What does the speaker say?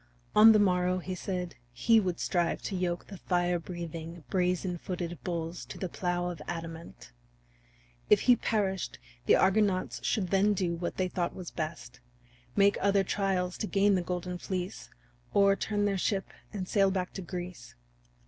On the morrow, he said, he would strive to yoke the fire breathing, brazen footed bulls to the plow of adamant. If he perished the Argonauts should then do what they thought was best make other trials to gain the Golden Fleece, or turn their ship and sail back to Greece.